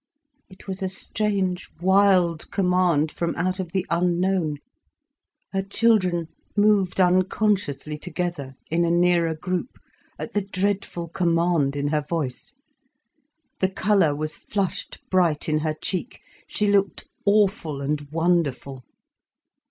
It was a strange, wild command from out of the unknown. Her children moved unconsciously together, in a nearer group, at the dreadful command in her voice. The colour was flushed bright in her cheek, she looked awful and wonderful.